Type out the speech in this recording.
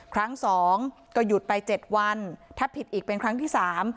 ครั้งสองก็หยุดไปเจ็ดวันถ้าผิดอีกเป็นครั้งที่สาม